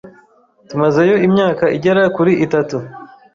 Tumazeyo imyaka igera kuri itatu.